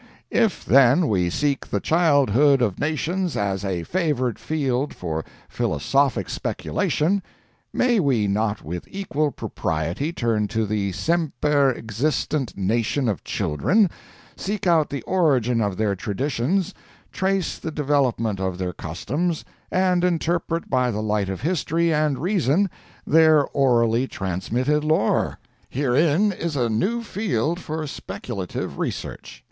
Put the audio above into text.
If then we seek the childhood of nations as a favored field for philosophic speculation, may we not with equal propriety turn to the semper existent nation of children, seek out the origin of their traditions, trace the development of their customs, and interpret by the light of history and reason their orally transmitted lore? Herein is a new field for speculative research.